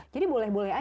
jadi boleh boleh saja